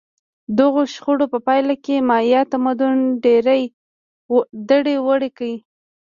دغو شخړو په پایله کې مایا تمدن دړې وړې کړ